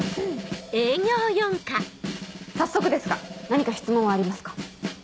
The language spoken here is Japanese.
早速ですが何か質問はありますか？